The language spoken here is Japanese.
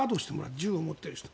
銃を持っている人に。